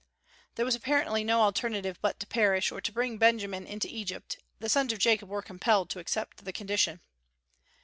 There was apparently no alternative but to perish, or to bring Benjamin into Egypt; and the sons of Jacob were compelled to accept the condition.